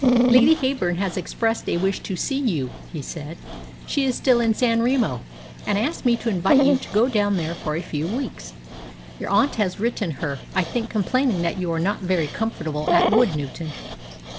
"Lady Heyburn has expressed a wish to see you," he said. "She is still in San Remo, and asked me to invite you to go down there for a few weeks. Your aunt has written her, I think, complaining that you are not very comfortable at Woodnewton."